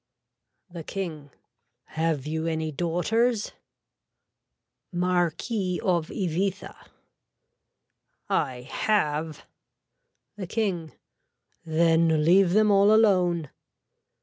(The King.) Have you any daughters. (Marquis of Ibyza.) I have. (The King.) Then leave them all alone.